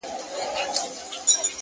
د ځان درناوی له ځان پېژندنې پیلېږي،